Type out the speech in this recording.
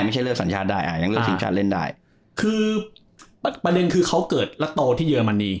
ไม่ใช่เลือกสัญชาติได้อ่ายังเลือกทีมชาติเล่นได้คือประเด็นคือเขาเกิดแล้วโตที่เยอรมนี